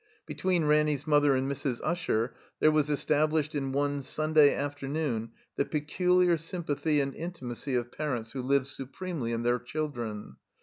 Between Ranny's mother and Mrs. Usher there was established in one Stmday afternoon the peculiar sympathy and intimacy of parents who live su premely in their children.